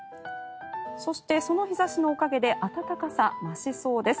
そしてその日差しのおかげで暖かさ、増しそうです。